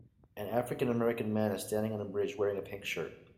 An African American man is standing on a bridge wearing a pink shirt.